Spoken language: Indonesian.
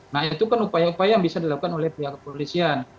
nah itu kan upaya upaya yang bisa dilakukan oleh pihak kepolisian